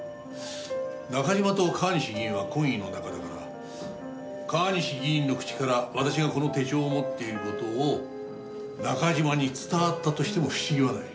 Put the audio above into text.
中島と川西議員は懇意の仲だから川西議員の口から私がこの手帳を持っている事を中島に伝わったとしても不思議はない。